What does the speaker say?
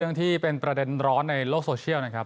ที่เป็นประเด็นร้อนในโลกโซเชียลนะครับ